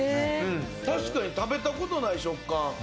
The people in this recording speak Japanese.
確かに食べたことない食感。